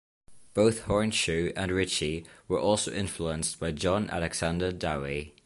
Both Hornshuh and Richey were also influenced by John Alexander Dowie.